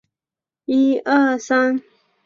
另外与同行神谷明的交情很深。